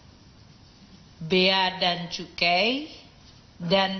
dan penerimaan pajak yang sangat baik